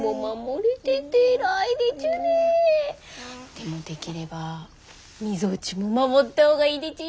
でもできればみぞおちも守ったほうがいいでちゅよ。